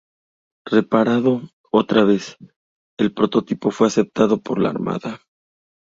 Reparado otra vez, el prototipo fue aceptado por la Armada.